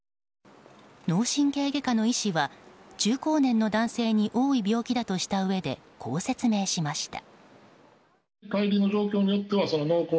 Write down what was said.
脳神経外科の医師は中高年の男性に多い病気だとしたうえでこう説明しました。